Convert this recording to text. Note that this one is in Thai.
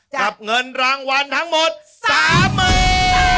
จับเงินรางวัลทั้งหมดสามหมื่น